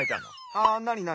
ああなになに？